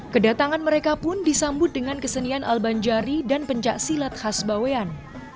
kedatangan mereka pun disambut dengan kesenian albanjari dan pencaksilat khas bawean